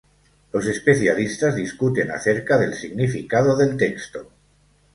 Los especialistas discuten acerca del significado del texto.